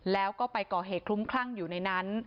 แล้วก็ไปก่อเหตุคลุ้มคลั่งอยู่ในนั้น